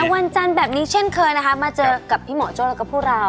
วันจันทร์แบบนี้เช่นเคยนะคะมาเจอกับพี่หมอโจ้แล้วก็พวกเรา